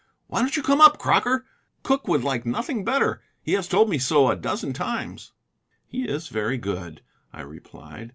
Why don't you come up, Crocker? Cooke would like nothing better; he has told me so a dozen times." "He is very good," I replied.